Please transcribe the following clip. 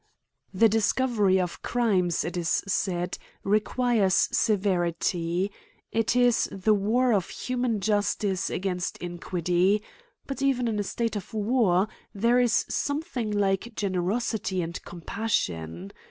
The 230 A COMMENTARY ON discovery of crimes, it is said, requires severity : it is the war of human justice against iniquity — But, even in a state of war, there is something Uke generosity and compassion.